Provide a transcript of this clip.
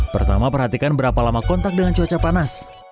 pertama perhatikan berapa lama kontak dengan cuaca panas